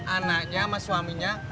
anaknya sama suaminya